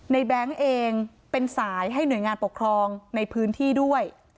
แบงค์เองเป็นสายให้หน่วยงานปกครองในพื้นที่ด้วย